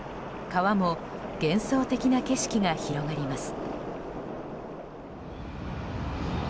川も幻想的な景色が広がります。